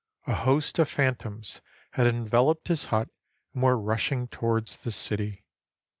A host of phantoms had enveloped his hut and were rush ing towards the city.